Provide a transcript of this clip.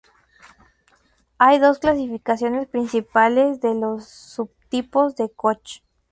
Hay dos clasificaciones principales de los subtipos de koch.